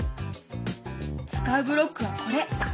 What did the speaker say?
使うブロックはこれ。